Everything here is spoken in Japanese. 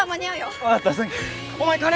はい。